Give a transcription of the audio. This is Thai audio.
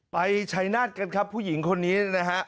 ไปชัยนาฏกันครับผู้หญิงคนนี้นะฮะ